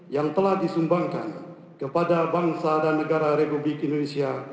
yang telah disumbangkan kepada bangsa dan negara republik indonesia